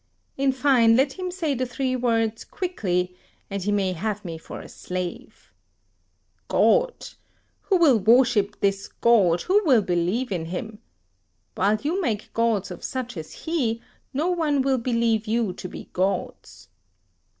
In fine, let him say the three words [Footnote: Some formula such as ais esse meum.] quickly, and he may have me for a slave. God! who will worship this god, who will believe in him? While you make gods of such as he, no one will believe you to be gods.